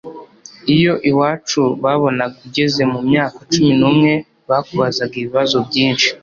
iyo iwacu babonaga ugeze mu myaka cumi n’umwe bakubazaga ibibazo byinshi